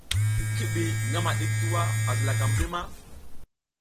Ki ɓi ngama ɗik tuwa a zilaka mbri ma ?